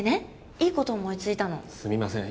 いいこと思いついたのすみません